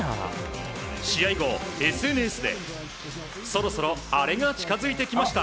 試合後、ＳＮＳでそろそろアレが近づいてきました。